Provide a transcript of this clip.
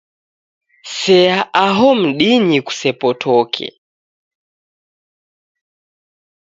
Sea aho mdinyi kusepotoke